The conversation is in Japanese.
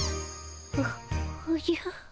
おおじゃ。